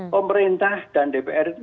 pemerintah dan dpr itu